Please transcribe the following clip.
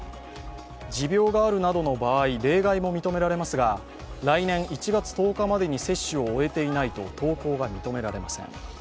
持病があるなどの場合、例外も認められますが来年１月１０日までに接種を終えていないと登校が認められません。